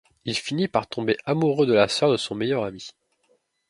Il finit par tomber amoureux de la sœur de son meilleur ami.